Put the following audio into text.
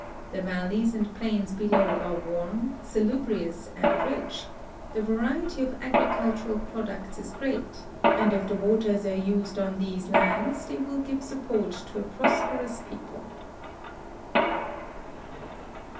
The valleys and plains below are warm, salu brious, and rich, the variety of agricultural products is great, and if the waters are used on these lands they will give support to a prosperous people."